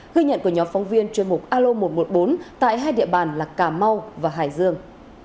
ghi nhận của nhóm phóng viên chuyên mục alo một trăm một mươi bốn tại hai địa bàn là cà mau và hải dương